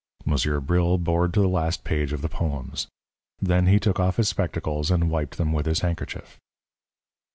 Monsieur Bril bored to the last page of the poems. Then he took off his spectacles, and wiped them with his handkerchief.